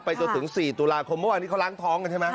จนถึง๔ตุลาคมเมื่อวานนี้เขาล้างท้องกันใช่ไหม